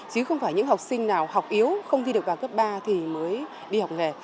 chứ không phải những học sinh nào học yếu không thi được vào cấp ba thì mới đi học nghề